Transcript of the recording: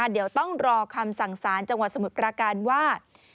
เดี๋ยวต้องรอคำสั่งสารจังหวัดสมุทรปราการว่า